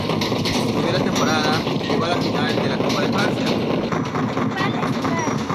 En su primera temporada llegó a la final de la Copa de Francia.